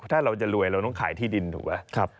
ถ้าเราจะรวยเราต้องขายที่ดินถูกไหม